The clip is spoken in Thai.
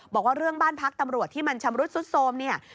บอกว่าเรื่องบ้านพักตำรวจที่มันชำรุดซุดโทรมเนี่ย